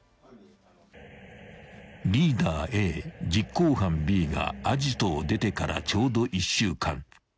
［リーダーＡ実行犯Ｂがアジトを出てからちょうど１週間］